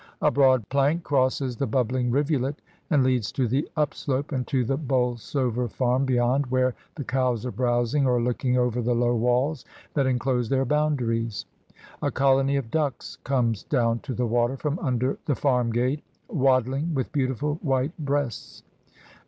A broad plank crosses the bubbling rivulet, and leads to the upslope and to the Bolsover farm beyond, where the cows are browsing or looking over the low walls that enclose their boundaries; a colony of ducks comes down to the water from under the farm gate, wad dling, with beautiful white breasts.